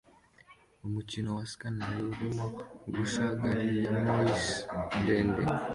Umukino wa skine urimo gusya gari ya moshi ndende